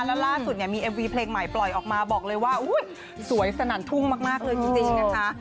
แล้วล่าสุดเนี่ยมีเอ็มวีเพลงใหม่ปล่อยออกมาบอกเลยว่าสวยสนั่นทุ่งมากเลยจริงนะคะ